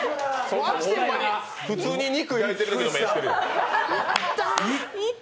普通に肉焼いてるときの目してるよ。